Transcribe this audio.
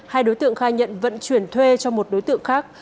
hai đối tượng khai nhận vận chuyển thuê cho một đối tượng khác